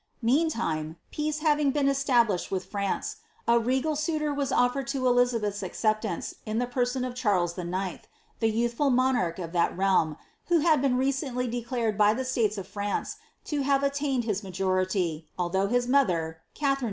Mean time, peace having been established with France, a regal suitor was otfered to Elizabeth^s acceptance in the person of Charles IX., the vouihful monarch of that realm, who had been recently declared by the f tales of France to have attained his majority, although his mother, * Melvillca Memoirs, p.